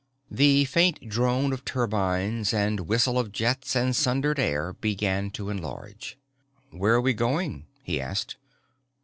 The faint drone of turbines and whistle of jets and sundered air began to enlarge. "Where are we going?" he asked.